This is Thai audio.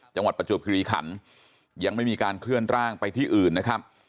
ประจวบคิริขันยังไม่มีการเคลื่อนร่างไปที่อื่นนะครับ